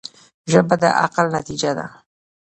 ژبه د عقل نتیجه ده